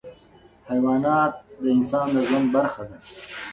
حیوانات د انسان د ژوند برخه دي.